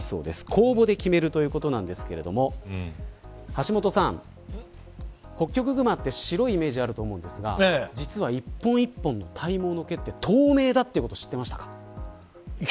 公募で決めるということなんですが橋下さん、ホッキョクグマって白いイメージあると思うんですが実は１本１本の体毛の毛は全然知らないです。